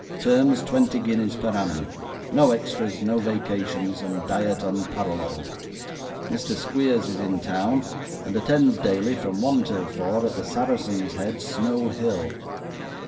Terms, twenty guineas per annum. No extras, no vacations, and diet unparalleled. Mr. Squeers is in town, and attends daily, from one till four, at the Saracen's Head, Snow Hill.